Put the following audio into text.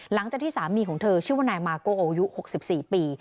หลังจากที่สามีของเธอชื่อว่านายมาโกอายุ๖๔ปี